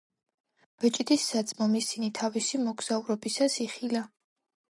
ბეჭდის საძმომ ისინი თავისი მოგზაურობისას იხილა.